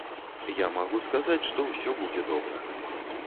Я магу сказаць, што ўсё будзе добра.